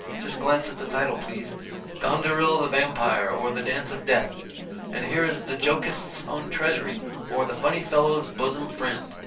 Just glance at the title please, 'Gonderil the Vampire, or The Dance of Death.' And here is 'The Jokist's Own Treasury, or, The Phunny Phellow's Bosom Phriend.'